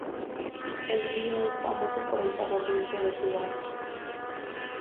El río es famoso por el sabor dulce de su agua.